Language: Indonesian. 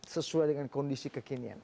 sesuai dengan kondisi kekinian